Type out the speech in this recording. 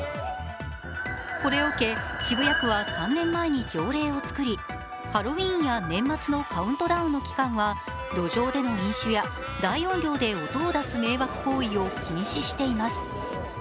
これを受け、渋谷区は３年前に条例を作りハロウィーンや年末のカウントダウンの期間は、路上での飲酒や大音量で音を出す迷惑行為を禁止しています。